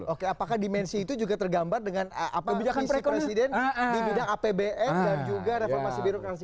oke apakah dimensi itu juga tergambar dengan visi presiden di bidang apbn dan juga reformasi birokrasi